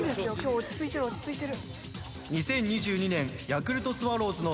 落ち着いてる落ち着いてる。